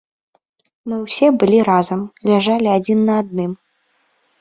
Мы ўсе былі разам, ляжалі адзін на адным.